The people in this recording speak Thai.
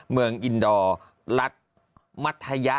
เมืองอินโดรัสมัธยะ